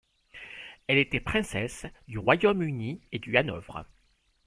Elle était princesse du Royaume-Uni et du Hanovre.